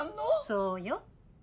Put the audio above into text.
そうよ。